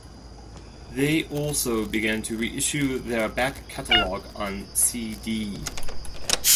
They also began to reissue their back catalogue on cd.